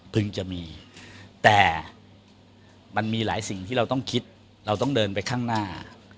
จะมีแต่มันมีหลายสิ่งที่เราต้องคิดเราต้องเดินไปข้างหน้า